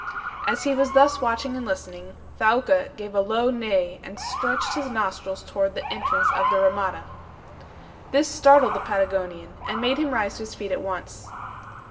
As he was thus watching and listening, Thaouka gave a low neigh, and stretched his nostrils toward the entrance of the RAMADA. This startled the Patagonian, and made him rise to his feet at once.